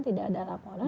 tidak ada laporan